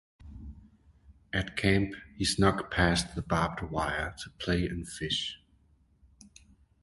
At camp, he snuck past the barbed wire to play and fish.